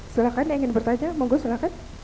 silakan yang ingin bertanya mohon gue silakan